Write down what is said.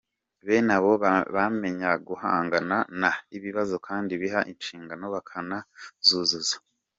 Bene abo bamenya guhangana n’ibibazo kandi biha inshingano bakanazuzuza.